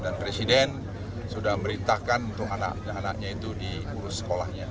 dan presiden sudah memberitahukan untuk anak anaknya itu diurus sekolahnya